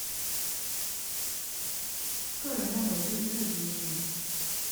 個人認為就立即執行